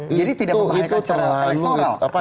jadi tidak memahami cara elektoral